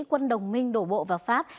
quân đồng minh đổ bộ vào pháp